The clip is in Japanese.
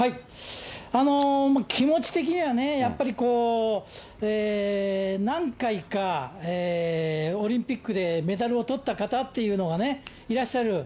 気持ち的にはね、やっぱり何回か、オリンピックでメダルをとった方っていうのがいらっしゃる。